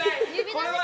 これは！